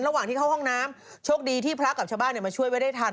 ระหว่างที่เข้าห้องน้ำโชคดีที่พระกับชาวบ้านมาช่วยไว้ได้ทัน